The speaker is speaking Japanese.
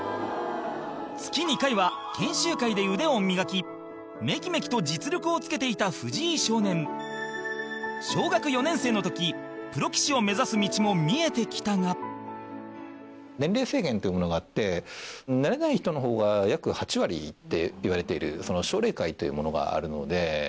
月２回は研修会で腕を磨きめきめきと実力をつけていた藤井少年小学４年生の時プロ棋士を目指す道も見えてきたが年齢制限っていうものがあってなれない人の方が約８割っていわれている奨励会というものがあるので。